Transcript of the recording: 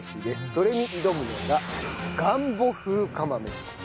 それに挑むのがガンボ風釜飯。